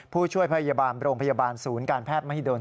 ผู้ช่วยพยาบาลโรงพยาบาลศูนย์การแพทย์มหิดล